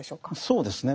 そうですね。